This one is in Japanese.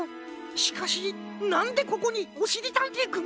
しかしなんでここにおしりたんていくんが？